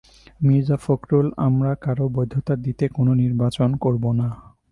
মির্জা ফখরুল আমরা কারও বৈধতা দিতে কোনো নির্বাচন করব না।